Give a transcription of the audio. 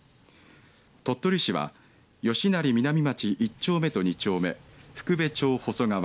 鳥取市は吉成南町１丁目と２丁目福部町細川